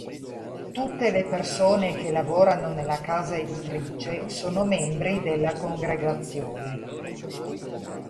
Tutte le persone che lavorano nella casa editrice sono membri della Congregazione.